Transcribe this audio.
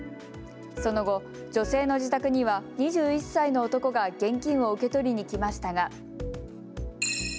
その後、女性の自宅には２１歳の男が現金を受け取りに来ましたが。